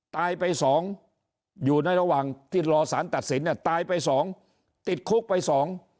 ตายไปสองอยู่ในระหว่างที่รอสารตัดสินเนี่ยตายไปสองติดคุกไปสอง